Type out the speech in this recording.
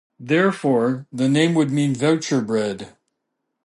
Therefore, the name would mean "voucher bread".